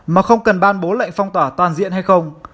mà không cần ban bố lệnh phong tỏa toàn diện hay không